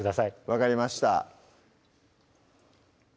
分かりました